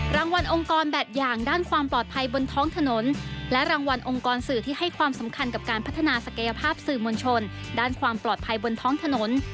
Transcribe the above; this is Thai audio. รางวัลองค์กรแบบอย่างด้านความปลอดภัยบนท้องถนนและรางวัลองค์กรสื่อที่ให้ความสำคัญกับการพัฒนาศักยภาพสื่อมวลชนด้านความปลอดภัยบนท้องถนน